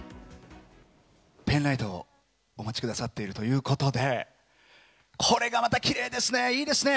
ペンライト、お持ちくださっているということで、これがまたきれいですね、いいですね。